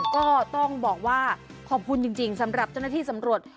ก็ต้องบอกว่าขอบคุณจริงสำหรับเจ้าหน้าที่สำรวจ